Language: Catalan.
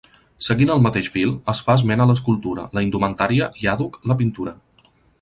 Seguint el mateix fil, es fa esment a l'escultura, la indumentària i, àdhuc, la pintura.